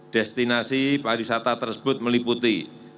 destinasi pariwisata tersebut meliputi